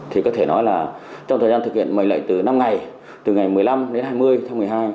thì có thể nói là trong thời gian thực hiện mệnh lệnh từ năm ngày từ ngày một mươi năm đến hai mươi tháng một mươi hai